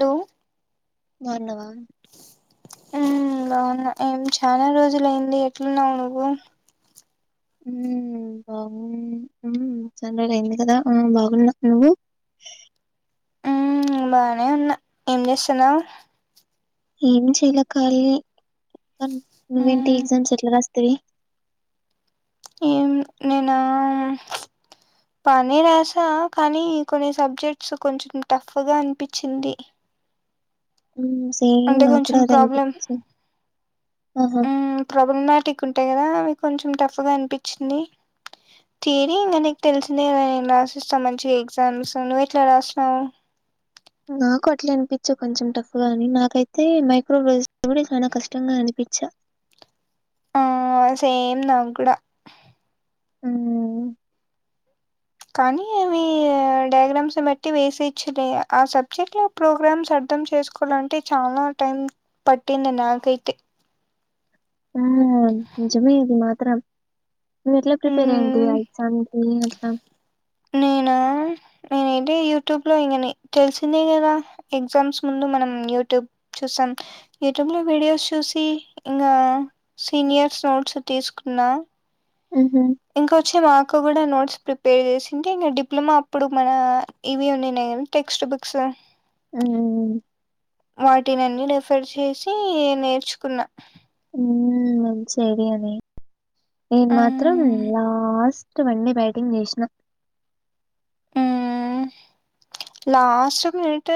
లో. బాగున్నావా ఊ బావున్నా ఏం చాలా రోజులయింది ఎట్లున్నావు నువ్వు.? ! ఊ బాగు. ఉ ఊ చన్రోలయింది కదా. ! ఊ బాగున్నా. నువ్వు.? ఊ బానే ఉన్నా. ఏం జేస్తున్నావు.? ఏం చేలె కాలియె. కాన్ నువ్వేంటి మ్మ్ ఎగ్జామ్స్ ఎట్లారాస్. త్రీ. ఏం నేనా.? ప్చ్. పనే రాసా కానీ, కొన్ని సబ్జెక్ట్స్ కొంచెం టఫ్ గా అన్పిచింది. సేమ్ నా కూడా అదే అన్ పిచ్ హ్మ్ ట్రూబుల్ మ్యటిక్ ఉంటాయి కదా అవి కొంచెం టఫ్ గా అనిపిచింది థిరీ ఇంగ నీక్ తెల్ సిందే కదా ఎ మ్యాస్ సమ్ మంచి ఎగ్జామ్స్ నువ్వు ఎట్లా రాస్ నవు నాకు అట్లే అనిపిచు కొంచెం టఫ్ గాని నాకైతే మైక్రోవేస్ కూడా చాలా కష్టంగా అనిప్ చ్చ ఆ సేమ్ నాక్ కూడా ఆ వ్ [unintelligible] కానీ అవి డయాగ్రామ్స్ బట్టి వేసే చ్చు లే ఆ సబ్జెక్ట్ లో ప్రోగ్రామ్స్ అర్ ర్థం చేసుకోలంటే చాలా టైం పట్టింది నాకైతే. ! ఆ ఆ నిజమే ఇది మాత్రం మీర్ ఎట్లా ప్రిపేర్ ఏంటి మ్మ్ ఆ ఎగ్జామ్ కీ అట్లా నేనా నేనైతే యూట్యూబ్ లో ఇగ నే తెలిసిందే కదా ఎగ్జామ్స్ ముందు మనం యూట్యూబ్ చూసాం యుట్యూబ్ లో విడియోస్ చూసి ఇంగ సినియర్ సో న్ ట్స్ తీసుకున్నా మ్హూ ఇంకొచ్చి మాఅక్క కూడా నోట్స్ ప్రిపేర్ చేసి అంటే ఇంగ్ డిప్లొమా అప్పుడు మన ఇవి ఉన్నినయి కదా టెక్స్ట్ బుక్స్ ఆ [unintelligible] వాటినన్ని రీఫర్ చేసి నేర్చుకున్నా ఉమ్ వన్ సేడి అనే నేను మాత్రం మ్మ్. లాస్ట్ వన్ డే బ్యాటింగ్ చేశ్ న లాస్ట్ మినిట్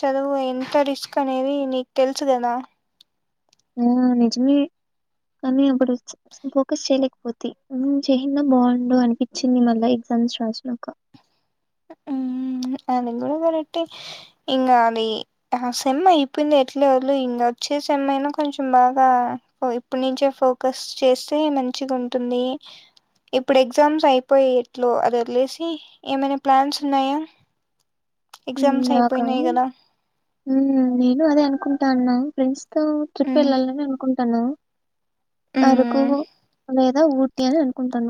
చదువు ఎంత రిస్క్ అనేది నీకు తెలుసు కదా ఆ నిజ్ మే కాని అపుడు ఫోకస్ చేయలేకపోతి హ్మ్ చేయిన్ నా బాగుండు అనిపిచింది మళ్ళా ఎగ్ వన్స్ రషీనక హ్మ్ అది కూడా కరక్టే ఇంకా అది ఆ సేమ్ అయిపెంది ఎట్ల వది లయి ఇంగ వచ్చే సేమ్ అయిన కొంచెం బాగా ఓయి ఇప్ న్ నుంచే ఫోకస్ చేస్తే మంచిగుంటుంది ఇప్పుడు ఎగ్ సామ్స్ అయిపోయి ఎట్లో వదిలేశి ఏమైన ప్లాన్స్ ఉన్నాయా ఉమ్ ఎగ్జామ్స్ నాకా అయిపోయినాయి కదా హ్మ్ నేను అదే అనుకుంటన ఫ్రెండ్స్ తో ట్రిప్ మ్ వెళ్ళాలని అనుకుంటాన్నా అరకు మ్ లేదా ఊ టి అన్ అనుకుంటాన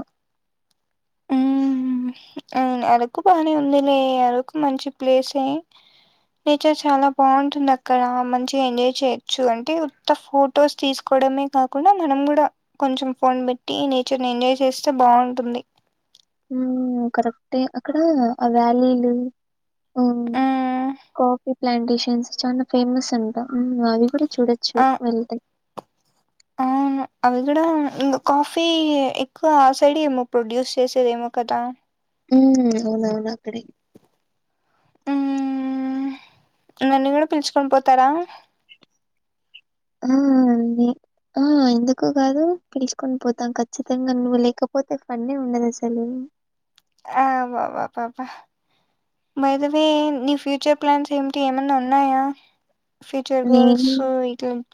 య మ్ ఎరకు బానే ఉందిలే అరకు మంచి ప్లేసే నేచర్ చాలా బాగుంటుంది అక్కడ మంచిగా ఎంజాయ్ చేయొచ్చు అంటే ఉత్త ఫొటోస్ తీసుకో డమే కాకుండా మనం కూడా కొంచెం ఫోన్ పెట్టి నేచర్ ని ఎంజాయ్ చేస్తే బాగుంటుంది హ్మ్ కరెక్టే అక్కడ ఆ వ్యాలీలు హ్మ్ మ్మ్ కాఫీ ప్లాంటేషన్స్ చాలా ఫేమస్ అంట హ్మ్ అవి కూడా చుడోచూ ఆ వెళ్తే అక్కడ ఉంగు కాఫీ ఎక్కువ ఆ సైడ ఏమో ప్రొడ్యూస్ చేసేదేమో కదా ఉమ్ అవునవును అక్కడే హ్మ్మ్మ్ నన్ను కూడా పిల్ చుకొని పోతారా ఆ ఆ ఆ వి ఆ [unintelligible] ఎందుకు కాదు పిల్ చుకొని పోతాం ఖచ్చితంగా నువ్వు లేకపోతే ఫన్నే ఉండదు అసలు ఆబబ ప ప బైదవే నీ ఫ్యూచర్ ప్లాన్స్ ఏమిటి ఏమన్నా ఉన్నాయా ఫ్యూచర్ గోల్ నేను సు ఇట లమ్ [unintelligible]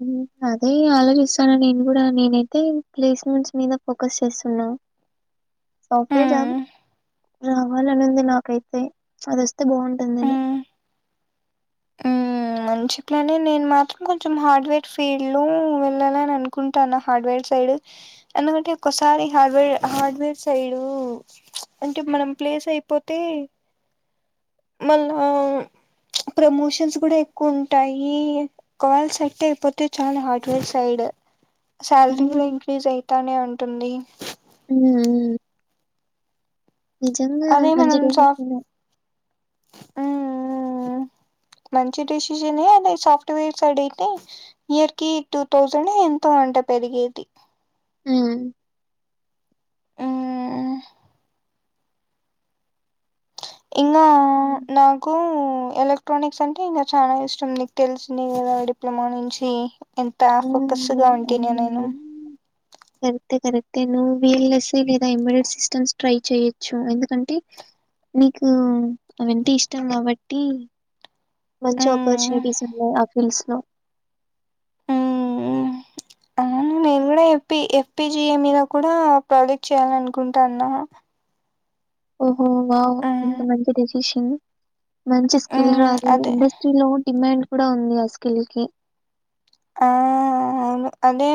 హ్మ్ అదే ఇగ ఆలోచిస్తాన నేను కూడా నేనైతే ప్లేస్ మెంట్స్ మీద ఫోకస్ చేస్తున్నా సాఫ్ ట్ వెర్ మ్మ్ జాబు రావాలని ఉంది నాకైతే చ్ అదిొస్తే బాగుంఉంటుందని మ్మ్ ఆ మంచి ప్లానే నేను మాత్రం కొంచెం హార్డ్ వేర్ ఫీల్డ్ లో వెళ్ళాలని అనుకుంటాన హార్డ్ వెర్ సైడ్ ఎందుకంటే ఒక్కోసారి హార్డ్వేర్ హార్డ్వేర్ సైడూ అంటే మనం ప్లేస్ అయిపోతే మళ్ళా ప్రమోషన్స్ గూడ ఎక్కుఉంటాయి, కాల్ సెట్ అయిపోతే చాలు హార్డ్వేర్ సైడ్ హ్మ్. సాలరీ గుడ హ్మ్. ఇంక్రీజ్ అయితానే ఉంటుంది హ్మ్ ఉమ్ నిజంగా అదే మంచి మనం సాఫ్ట్ డెసిషనే హ్మ్ మంచి డెసిజనే అది సాఫ్ట్వేర్స్ సైడ్ అయితే ఇయర్ కి టూ థౌసండ్ ఎంతో అంట్ ట పెరిగేది హ్మ్ ఆ ఇంగా హ్మ్. నాకు కూ ఎలక్ట్రానిక్స్ అంటే ఇంగ చాలా ఇష్టం, నీకు తెలిసిందె గదా డిప్లొమా నుంచి అంతా ఆ! ఫోకస్గా ఉంటినే అవును. నేను నేను వీలసీ లేదా ఇమీడియట్ సిస్టమ్స్ ట్రై చెయొచ్చు ఎందుకంటే నీకు అవంటే ఇష్టం గాబట్టి మంచి మ్మ్ అపర్చునిటీస్ ఉన్నాయి ఆఫీసులో మ్మ్ అవును నేను గూడ F P F P G A మీద కూడా ప్రొజెక్ట్ చేయ్యాలనుకుంటాన్నా ఓహో వావ్ ఎంత మంచి డెసీషన్ మంచి స్కిల్ మ్మ్ రాదు అదే ఇండస్ట్రీలో డిమాండ్ కూడా ఉంది ఆ స్కిల్ కి ఆ అ అవును అదే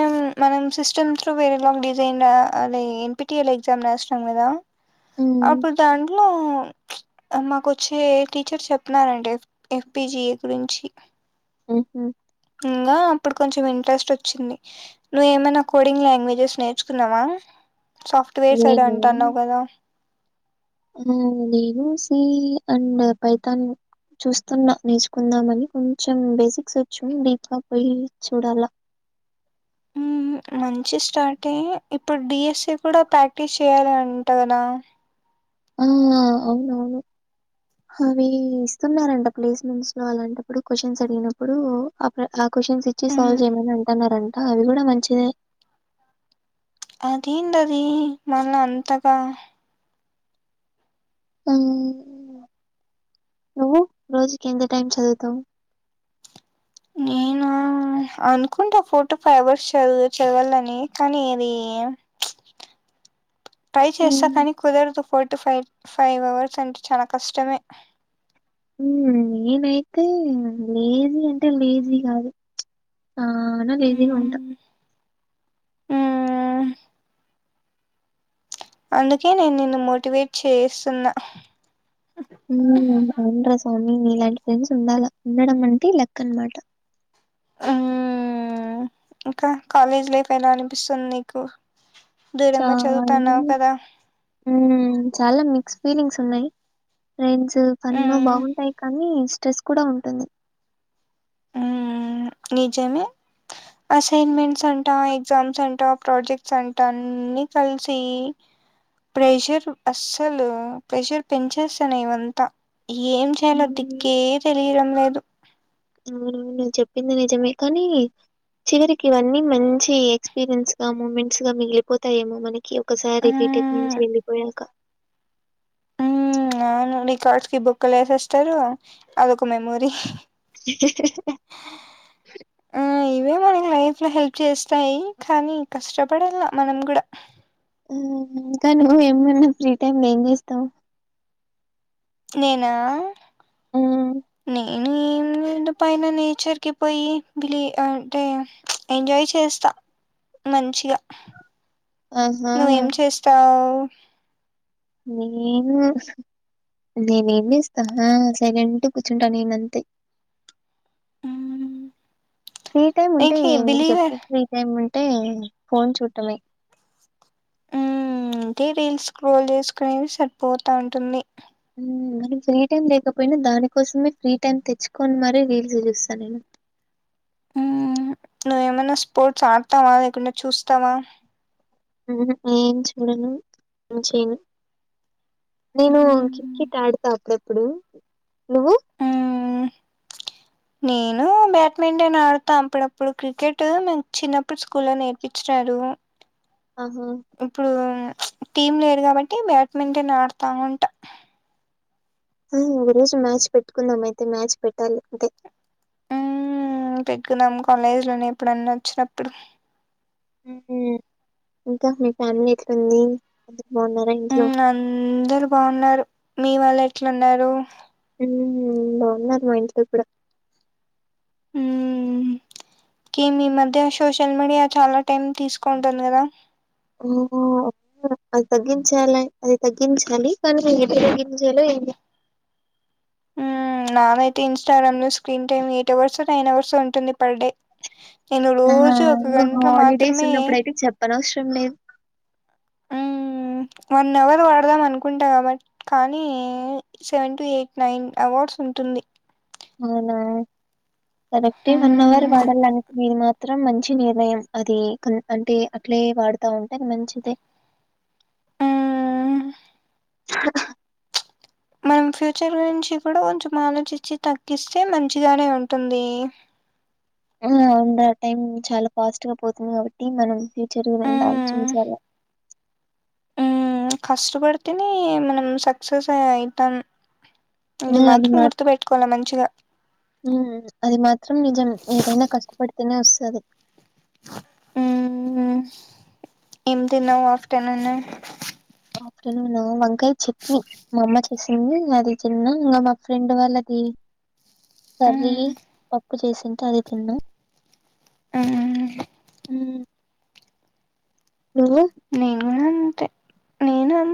మనం సిస్టమ్స్లో వేరేలాగ డిజైన్ అది N P T L exam రాసిన నం గదా మ్మ్. అప్పుడు దాంట్లో మాకు ఒచ్చే టీచర్ చెప్పినారంట ఎఫ్ బి జి ఏ గురించి ఉమ్ హు ఇంగా అప్పుడు కొంచెం ఇంట్రెస్ట్ వచ్చింది నువ్ ఏమన్న కొడింగ్ లాంగ్వేజెస్ నేర్చుకున్నావా? సాఫ్ట్వేర్ సైడ్ అంటన్నావు గదా ఉమ్ లేదు సీ అండ్ పైతాన్ చూస్తున్నా నేర్చుకుందామని కొంచెం బేసిక్స్ వచ్చు వీకాఫ్ పోయి చూడాలా మ్మ్ మంచి స్టార్టే, ఇప్పుడు డి ఎస్ సి కూడా ప్రాక్టీస్ చేయాలి అంట గదా హ్మ్ అవునవును అవి ఇస్తున్నారంట ప్లేస్మెంట్స్ లో అలాంటప్పుడు క్వశ్చన్స్ అడిగినప్పుడు క్వశ్చన్స్ ఇచ్చి సాల్వ్ మ్మ్ చేయమని అంటన్నారంట అది గూడా మంచిదే అదేందది మళ్ళ అంతగా హ్మ్ నువ్వు రోజుకి ఎంత టైం చదువుతవు నేను అనుకుంటా ఫోర్ట్టు ఫైవ్ అవర్స్ చదు చదవాలని కనీ అది ట్రై చేస్త హ్మ్. కనీ కుదరదు ఫోర్ట్టు ఫైవ్ ఫైవ్ అవర్స్ అంటే చాలా కష్టమే ఊ నేనైతే లేజీ అంటే లేజీ గాదు చానా లేజీగా ఉంటా. ఆ అందుకే నేన్ నిన్ను మోటివేట్ చేస్తున్నా హ్మ్ అవున్రా సామి నీలాన్ ఫ్రెండ్స్ ఉండాలా ఉండడం అంటే లక్కన్నమాట ఆ ఇంకా కాలేజ్ లైఫ్ ఎలా అనిపిస్తుంది నీకు? దూరంగా చాలా చదువుతన్నావు కదా హమ్ చాలా మిక్స్ ఫీలింగ్స్ ఉన్నాయి ఫ్రెండ్స్ ఫోను మ్మ్ బాగుంటాయి కానీ స్ట్రెస్ కూడా ఉంటుంది అ నిజమే అసైన్మెంట్స్ అంట ఎగ్జామ్స్ అంట ప్రాజెక్ట్స్ అంట అన్ని కలిసి ప్రెషర్ అస్సలు ప్రెషర్ పెంచేస్తున్నాయి ఇవంతా ఏం చేయాలో హ్మ్. దిక్కే తెలియడం లేదు హా నేను చెప్పింది నిజమే కానీ చివరికి ఇవన్నీ మంచి ఎక్స్పీరియన్స్ గా మూమెంట్స్ గా మిగిలిపోతాయేమో మన ఒకే ఒకసారి బీటెక్ నుంచి మ్మ్ వెళ్ళిపోయాక మ్మ్ అవును రికార్డ్స్ కి బుక్లు వేసేస్తారు అదొక మెమోరీ మ్ ఇవే మన లైఫ్ లొ హెల్ప్ చేస్తాయి కానీ కష్టపడలా మనం కూడా హు ఇంకా నువ్వు ఏమన్నా ఫ్రీ టైమ్ లొ ఏం చేస్తావు నేనా హ్మ్. నేన్మ్ పైన నేచర్ కి పోయి బిలీ అంటే ఎంజాయ్ చేస్తా మంచిగా ఆహా! నువ్ ఏం చేస్తావు నేను నేన ఏం చేస్తా ఆ సైలెంట్ కూర్చుంటా నేను అంతే ఫ్రీ టైమ్ ఉంటే నీకి ఎందుకు చెప్పు బిలీవర్ ఫ్రీ టైమ్ ఉంటే ఫోన్ చూడటమే హమ్ అంటే రీల్స్ క్రోల్ చేసుకునేవి సరిపోతా ఉంటుంది మనం ఫ్రీ టైమ్ లేకపోయినా దానికోసమే ఫ్రీ టైమ్ తెచ్చుకని మరి రీల్స్ చూస్తాను నేను మ్మ్. నువ్వేమైనా స్పోర్ట్స్ ఆడతావా లేకుండా చూస్తావా హుహా ఏం చూడను ఏం చేయను నేను మ్మ్. క్రికెట్ ఆడతా అప్పుడప్పుడు నువు మ్మ్. నేను బ్యాడ్మింటన్ ఆడతా అప్పుడప్పుడు క్రికెట్ మ చిన్నప్పుడు స్కూల్ లో నేర్పించిలే తరు ఆహా ఇప్పుడు టీమ్ లేదు కాబట్టి బ్యాడ్మింటన్ ఆడతా ఉంట ఆ ఒక రోజు మ్యాచ్ పెట్టుకుందాంయితే మ్యాచ్ పెట్టాలి అంతే హుమ్ పెగ్గుదాం కాలేజీలోనే ఎప్పుడన్న వచ్చినప్పుడు హమ్ ఇంకా మీ ఫ్యామిలీ ఎట్లుంది బాగున్నారా ఇంట్లో హమ్ అందరు బాగున్నారు మీ వాల్ ఎట్లున్నారు హమ్ బాగున్నారు మా ఇంట్లో ఇప్పుడ హ్మ్ కి మీ మధ్య సోషల్ మీడియా చాలా టైం తీసుకుంటాను కదా ఓహ్ అది తగ్గించాలి అది తగ్గించాలి కానీ ఎకడ తగ్గించాలో ఏంటి నవైతే ఇన్స్టాగ్రామ్ లో screen time eight hours nine hours ఉంటుంది పర్ డే నేను ఆ రోజు ఒక ఇంకా గంట హాలిడేస్ మాత్రమే ఉన్నప్పుడుయితే చెప్పనవసరం లేదు మ్మ్ వన్ అవర్ వాడదాం అనుకుంటా కాబట్ కానీ seven to eight nine hours ఉంట ఉంటుంది అవునా కరెక్టే వన్ అవర్ మ్మ్ వాడాలనిది మాత్రం మంచి నిర్ణయం అది అంటే అట్లా అట్లే వాడుతా ఉంటంది మంచిదే మ్మ్ హా మనం ఫ్యూచర్ గురించి కూడా కొంచెం ఆలోజ్ ఇచ్చి తగ్గిస్తే మంచిగానే ఉంటుంది హమ్ ఆ టైం చాలా ఫాస్ట్ గా పోతుంది కాబట్టి మనం ఫ్యూచర్ంత హ్మ్ ఆలోచించాల హ్మ్మ్, కష్ట పడితేనే మనం సక్సెస్ అయితం. హ్మ్మ్. ఈ మంత్ గుర్తుపెట్టుకోవడం మంచిగా. హ్మ్మ్, అది మాత్రం నిజం. ఏదైనా కష్టపడితేనే వస్తుంది. హ్మ్మ్, ఏం తినావ్ ఆఫ్టర్‌నూన్? ఆఫ్టర్‌నూన్ నా? వంకాయ చట్నీ. మా అమ్మ చేసింది, అది తిన్న. ఇంకా మా ఫ్రెండ్ వాళ్లది. హ్మ్ కర్రీలి పప్పు చేసింటే, అది తిన్నా. హ్మ్ హ్మ్మ్. నువు.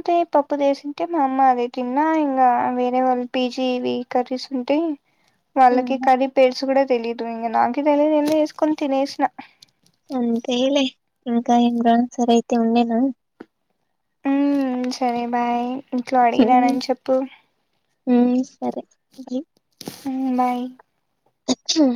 తే పప్పు జేసింటే, మా అమ్మ అదే తిన్నా. ఇంకా వేరే వాళ్లు పీజీ వి కరస్ ఉంటే. వాళ్ల కి మ్మ్ కర్రీ పేర్సు కూడా తెలీదు. ఇంకా నాకే తెలీదు ఏందో, ఏస్కొని తినేసిన. అంతేలే, ఇంకా ఎగ్జామ్స్ సర అయితే ఉండే నా? హ్మ్మ్, సరే బాయ్! ఇంట్లో అడిగినా, అన్ని చెప్పు. హ్మ్మ్, సరే. [unintelligible] హ్మ్మ్, బాయ్. అచ్చా?